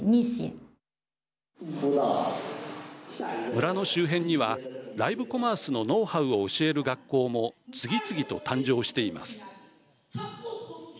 村の周辺にはライブコマースのノウハウを教える学校も次々と誕生しています。